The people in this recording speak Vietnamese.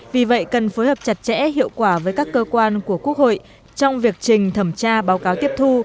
vì vậy cần phối hợp chặt chẽ hiệu quả với các cơ quan của quốc hội trong việc trình thẩm tra báo cáo tiếp thu